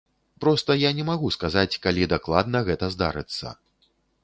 Проста я не магу сказаць, калі дакладна гэта здарыцца.